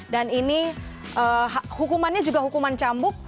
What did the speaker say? dan ini hukumannya juga hukuman cambuk